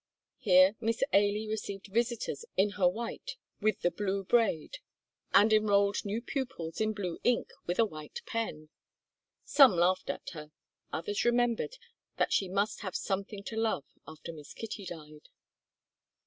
Here Miss Ailie received visitors in her white with the blue braid, and enrolled new pupils in blue ink with a white pen. Some laughed at her, others remembered that she must have something to love after Miss Kitty died.